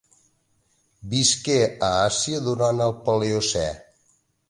Visqué a Àsia durant el Paleocè.